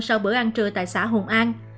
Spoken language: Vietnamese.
sau bữa ăn trưa tại xã hùng an